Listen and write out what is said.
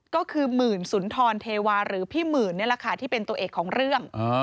ก็คือหมื่นสุนทรเทวาหรือพี่หมื่นนี่แหละค่ะที่เป็นตัวเอกของเรื่อง